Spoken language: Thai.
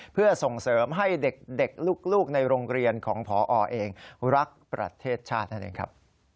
เพื่อส่งเสริมให้เด็กลูกในโรงเรียนของพอเองรักประเทศชาตินั่นเองครับ